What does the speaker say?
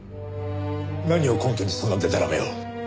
何を根拠にそんなでたらめを。